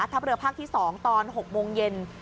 ทัพเรือภาคที่๒ตอน๖โมงเย็น